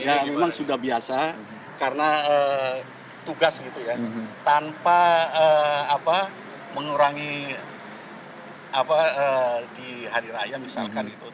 ya memang sudah biasa karena tugas gitu ya tanpa mengurangi di hari raya misalkan gitu